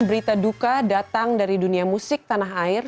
berita duka datang dari dunia musik tanah air